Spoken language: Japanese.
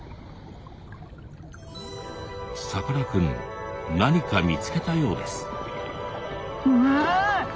さかなクン何か見つけたようです。